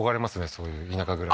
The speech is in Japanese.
そういう田舎暮らし